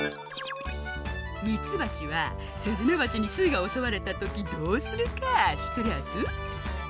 ミツバチはスズメバチにすがおそわれたときどうするかしっとりゃあす？